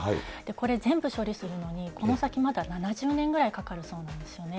これ、全部処理するのにこの先まだ７０年ぐらいかかるそうなんですよね。